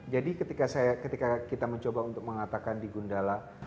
jadi ketika saya ketika kita mencoba untuk mengatakan di gundala